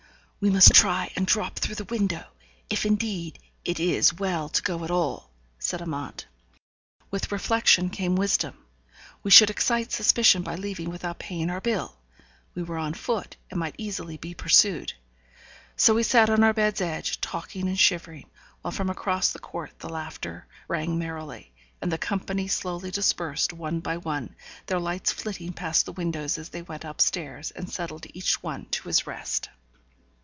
'We must try and drop through the window if, indeed, it is well to go at all,' said Amante. With reflection came wisdom. We should excite suspicion by leaving without paying our bill. We were on foot, and might easily be pursued. So we sat on our bed's edge, talking and shivering, while from across the court the laughter rang merrily, and the company slowly dispersed one by one, their lights flitting past the windows as they went upstairs and settled each one to his rest.